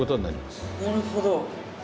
なるほど。